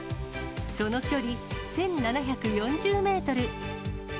その距離、１７４０メートル。